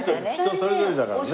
人それぞれだからね。